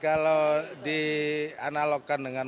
kalau di analogkan dengan